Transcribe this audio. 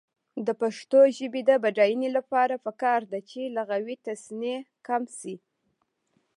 د پښتو ژبې د بډاینې لپاره پکار ده چې لغوي تصنع کم شي.